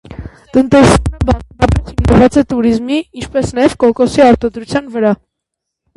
Տնտեսությունը բացառապես հիմնված է տուրիզմի, ինչպես նաև կոկոսի արտադրության վրա։